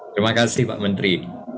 terima kasih pak menteri